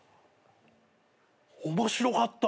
面白かった！